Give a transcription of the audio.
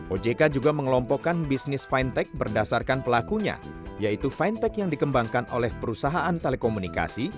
ojk juga mengelompokkan bisnis fintech berdasarkan pelakunya yaitu fintech yang dikembangkan oleh perusahaan telekomunikasi